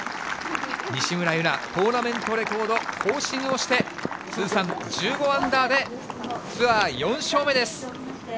西村優菜、トーナメントレコード更新をして、通算１５アンダーで、ツアー４勝目です。